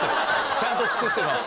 ちゃんと作ってます。